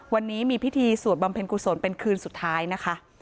วันนี้มีพิธีสวดบำเพ็ญกุศลเป็นคืนสุดท้ายนะคะ